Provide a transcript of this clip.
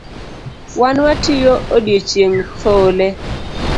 Wan watiyo odiechieng’ thole